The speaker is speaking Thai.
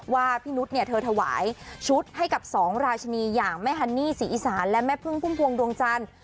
ว่าพี่นุษย์เนี่ยเธอถวายชุดให้กับสองราชนีอย่างแม่ฮันนี่ศรีอีสานและแม่พึ่งพุ่มพวงดวงจันทร์